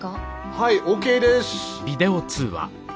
はいＯＫです。